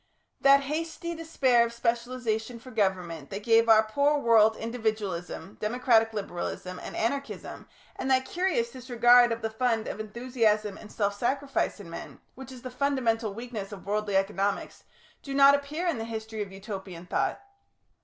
That hasty despair of specialisation for government that gave our poor world individualism, democratic liberalism, and anarchism, and that curious disregard of the fund of enthusiasm and self sacrifice in men, which is the fundamental weakness of worldly economics, do not appear in the history of Utopian thought.